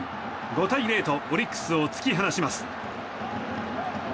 ５対０とオリックスを突き放します。